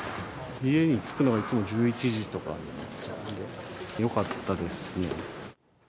家に着くのが、いつも１１時とかになっちゃうんでよかったですね。